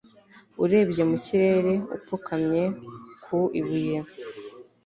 urebye mu kirere, upfukamye ku ibuye